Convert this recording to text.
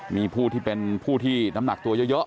มีผู้ที่เป็นผู้ที่น้ำหนักตัวเยอะ